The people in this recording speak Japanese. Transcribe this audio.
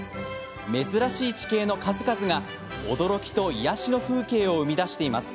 珍しい地形の数々が驚きと癒やしの風景を生み出しています。